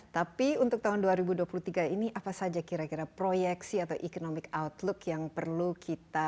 tapi untuk tahun dua ribu dua puluh tiga ini apa saja kira kira proyeksi atau economic outlook yang perlu kita